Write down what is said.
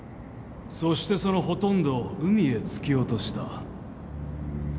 そしてそのほとんどを海へ突き落とした。